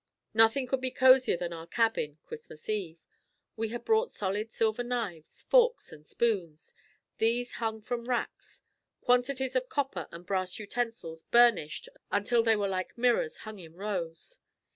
Nothing could be cozier than our cabin Christmas eve. We had brought solid silver knives, forks and spoons. These hung from racks. Quantities of copper and brass utensils burnished until they were like mirrors hung in rows.